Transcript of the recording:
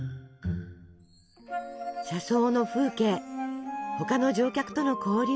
車窓の風景他の乗客との交流。